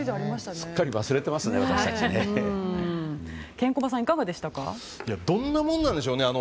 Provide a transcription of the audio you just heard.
どんなものなんでしょうね。